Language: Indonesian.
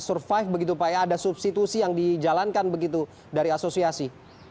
nah untuk bisa survive begitu pak ya ada substitusi yang dijalankan begitu dari asosiasi